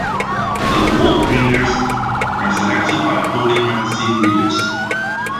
The award winners are selected by polling magazine readers.